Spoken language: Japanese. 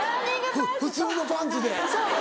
普通のパンツで。